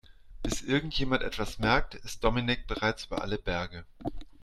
Bis irgendjemand etwas merkt, ist Dominik bereits über alle Berge.